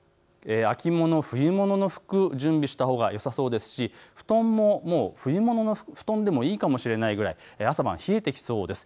秋物、冬物の服、準備したほうがよさそうですし布団ももう冬物の布団でもいいかもしれないぐらい、朝晩冷えてきそうです。